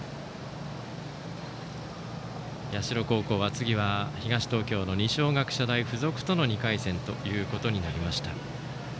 社高校は次は東東京の二松学舎大付属との２回戦ということになりました。